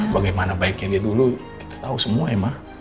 bagaimana baiknya dia dulu kita tahu semua emah